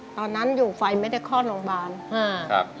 ตอนนั้นอยู่ฝ่ายไม่ได้คลอดโรงพยาบาล